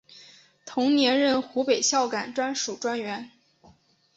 同年任湖北孝感专署专员。